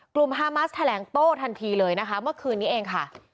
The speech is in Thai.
กลุ่มฮามาสแถลงโต้ทันทีเลยเมื่อคืนนี้เองค่ะ